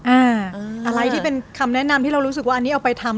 อะไรที่เป็นคำแนะนำที่เรารู้สึกว่าอันนี้เอาไปทำ